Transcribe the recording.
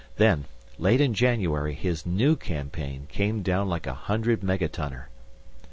Then, late in January, his new campaign came down like a hundred megatonner.